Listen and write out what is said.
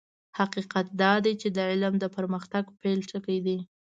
حقيقت دا دی چې علم د پرمختګ پيل ټکی دی.